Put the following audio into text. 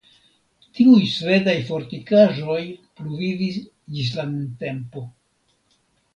Tiuj svedaj fortikaĵoj pluvivis ĝis la nuntempo.